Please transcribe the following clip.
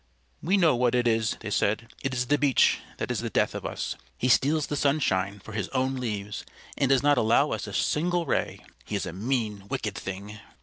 "We know what it is," they said. "It is the Beech that is the death of us. He steals the sunshine for his own leaves, and does not allow us a single ray. He is a mean, wicked thing."